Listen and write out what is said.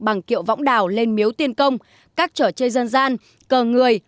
bằng kiệu võng đào lên miếu tiên công các trò chơi dân gian cờ người